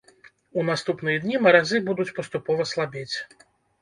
У наступныя дні маразы будуць паступова слабець.